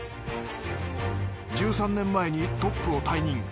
１３年前にトップを退任。